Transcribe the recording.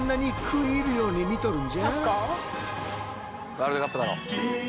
ワールドカップだろ。